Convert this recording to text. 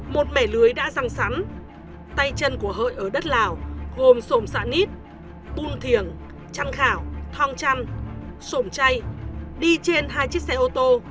một mẻ lưới đã răng sắn tay chân của hợi ở đất lào gồm sổm xạ nít pun thiểng trăng khảo thong chăn sổm chay đi trên hai chiếc xe ô tô